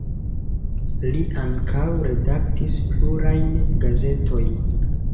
Li ankaŭ redaktis plurajn gazetojn.